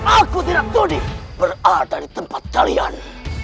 aku tidak boleh berada di tempat kalian